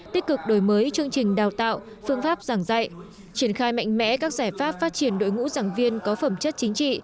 tích cực đổi mới chương trình đào tạo phương pháp giảng dạy triển khai mạnh mẽ các giải pháp phát triển đội ngũ giảng viên có phẩm chất chính trị